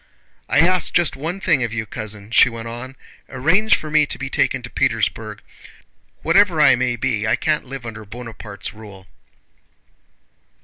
I ask just one thing of you, cousin," she went on, "arrange for me to be taken to Petersburg. Whatever I may be, I can't live under Bonaparte's rule."